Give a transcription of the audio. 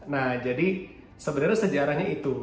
nah jadi sebenarnya sejarahnya itu